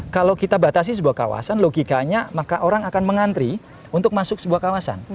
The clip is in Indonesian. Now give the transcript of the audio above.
kalau kita batasi sebuah kawasan logikanya maka orang akan mengantri untuk masuk sebuah kawasan